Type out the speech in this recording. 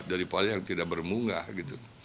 daripada yang tidak bermunggah gitu